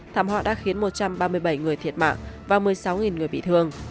thảm họa đã khiến một trăm ba mươi bảy người thiệt mạng và một mươi sáu người bị thương